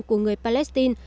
của người palestine